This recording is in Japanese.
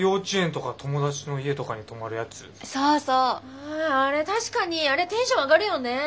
ああれ確かにあれテンション上がるよね。